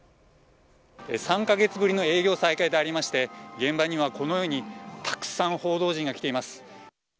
３カ月ぶりの営業再開とありまして現場にはこのようにたくさん報道陣が来ています。